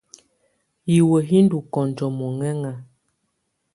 Hiwǝ́ hɛ́ ndɔ́ kɔnjɔ́ mɔŋɛŋa.